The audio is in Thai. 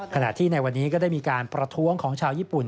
ขณะที่ในวันนี้ก็ได้มีการประท้วงของชาวญี่ปุ่น